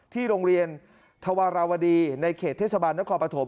ที่โรงเรียนธวาราวดีในเขตเทศบาลนครปฐม